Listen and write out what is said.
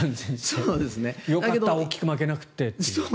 よかった大きく負けなくてっていう。